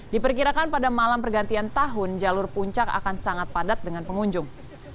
diperkirakan pada malam pergantian tahun jalur puncak akan sangat padat dengan pengunjung